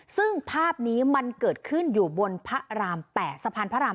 ซึ่งภาพนี้มันเกิดขึ้นอยู่บนพระราม๘สะพานพระราม